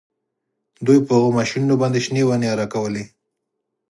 دوی په هغو ماشینونو باندې شنې ونې اره کولې